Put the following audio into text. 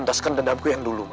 nentaskan dendamku yang dulu ma